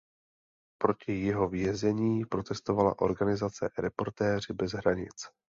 Proti jeho věznění protestovala organizace Reportéři bez hranic.